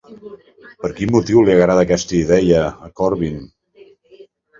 Per quin motiu li agrada aquesta idea a Corbyin?